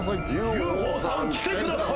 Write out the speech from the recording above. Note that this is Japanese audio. ＵＦＯさん来てください。